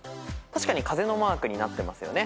確かに風のマークになってますよね。